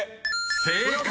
［正解！